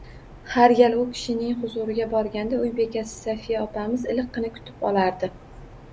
Har gal u kishining huzuriga borganda uy bekasi Sofiya opamiz iliqqina kutib olardi